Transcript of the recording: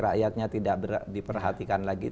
rakyatnya tidak diperhatikan lagi